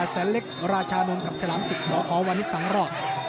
๘แสนเล็กราชานนท์กับฉลามสุข๒อวันิสาหรอร์